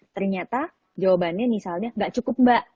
ternyata jawabannya misalnya nggak cukup mbak